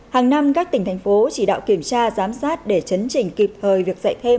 hàng năm các tỉnh thành phố chỉ đạo kiểm tra giám sát để chấn chỉnh kịp thời việc dạy thêm